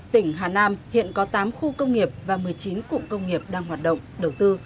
tỉnh hà nam hiện có tám khu công nghiệp và một mươi chín cụm công nghiệp đang hoạt động đầu tư